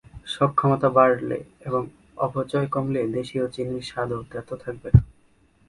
সক্ষমতা বাড়লে এবং অপচয় কমলে দেশীয় চিনির স্বাদও তেতো থাকবে না।